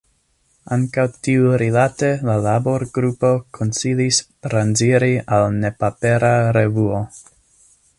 Ankaŭ tiurilate la labor-grupo konsilis transiri al nepapera revuo.